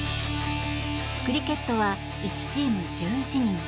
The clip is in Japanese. クリケットは１チーム１１人。